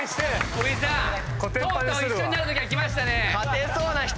小木さんとうとう一緒になるときが来ましたね。